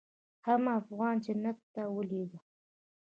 حم افغان جنت ته ولېږه.